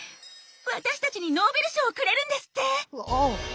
私たちにノーベル賞をくれるんですって！